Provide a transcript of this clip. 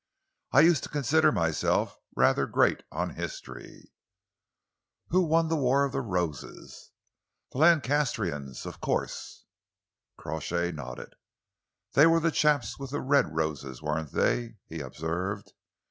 "I used to consider myself rather great on history." "Who won the Wars of the Roses?" "The Lancastrians, of course." Crawshay nodded. "They were the chaps with the red roses, weren't they?" he observed.